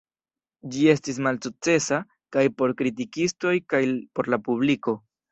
Ĝi estis malsukcesa kaj por kritikistoj kaj por la publiko.